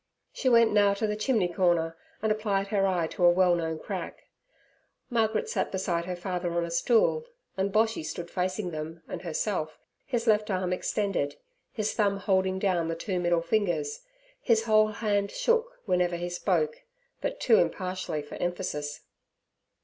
She went now to the chimney corner, and applied her eye to a well known crack: Margaret sat beside her father on a stool, and Boshy stood facing them and herself, his left arm extended, his thumb holding down the two middle fingers. His whole hand shook whenever he spoke, but too impartially for emphasis.